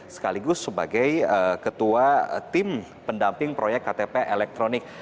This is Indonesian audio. sekaligus sebagai ketua tim pendamping proyek ktp elektronik